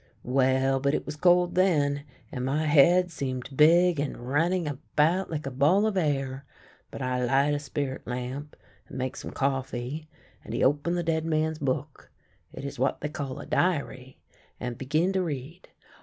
Well, but it was cold then, and my head seemed big and running about like a ball of air. But I light a spirit lamp, and make some cofifee, and he open the dead man's book — it is what they call a diary — and begin to read.